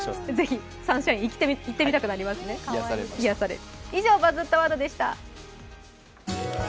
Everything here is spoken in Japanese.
サンシャインに行ってみたくなりますね、癒やされる。